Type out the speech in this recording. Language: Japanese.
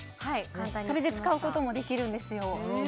それで使うこともできるんですよ